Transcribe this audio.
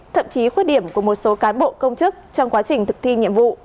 thậm chí khuyết điểm của một số cán bộ công chức trong quá trình thực thi nhiệm vụ